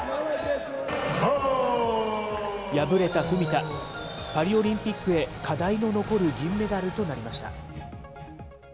敗れた文田、パリオリンピックへ課題の残る銀メダルとなりました。